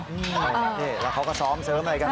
นี่แล้วเขาก็ซ้อมเสริมอะไรกัน